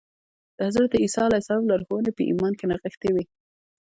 د حضرت عيسی عليه السلام لارښوونې په ايمان کې نغښتې وې.